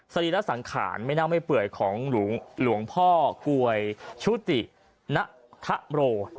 รีระสังขารไม่เน่าไม่เปื่อยของหลวงพ่อกวยชุติณทะโร